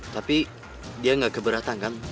tapi dia nggak keberatan kan